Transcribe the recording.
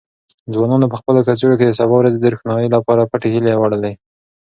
ځوانانو په خپلو کڅوړو کې د سبا ورځې د روښنايي لپاره پټې هیلې وړلې.